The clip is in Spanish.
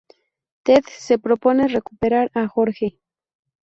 Ted se propone recuperar a Jorge.